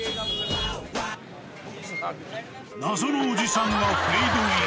謎のおじさんフェードイン。